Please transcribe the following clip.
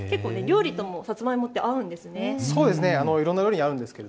料理とさつまいもって合うんですね。